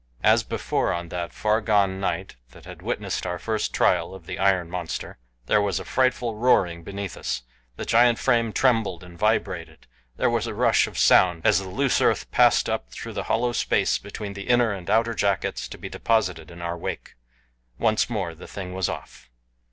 As before on that far gone night that had witnessed our first trial of the iron monster, there was a frightful roaring beneath us the giant frame trembled and vibrated there was a rush of sound as the loose earth passed up through the hollow space between the inner and outer jackets to be deposited in our wake. Once more the thing was off.